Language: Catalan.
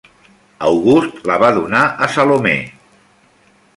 August la va donar a Salomé.